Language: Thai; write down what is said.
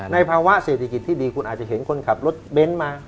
ภาวะเศรษฐกิจที่ดีคุณอาจจะเห็นคนขับรถเบ้นมา